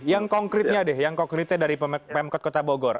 yang konkretnya dari pemkot kota bogor